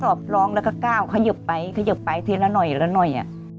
อบร้องแล้วก็ก้าวขยิบไปขยิบไปทีละหน่อยละหน่อย